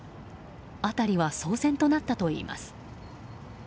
辺りは騒然となったといいます。